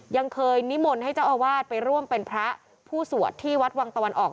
ยังเคยนิมนต์ให้เจ้าอาวาสไปร่วมเป็นพระผู้สวดที่วัดวังตะวันออก